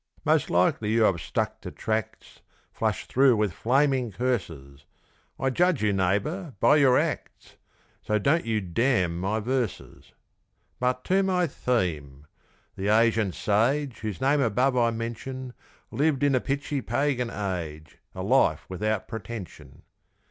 Most likely you have stuck to tracts Flushed through with flaming curses I judge you, neighbour, by your acts So don't you d n my verses. But to my theme. The Asian sage, Whose name above I mention, Lived in the pitchy Pagan age, A life without pretension.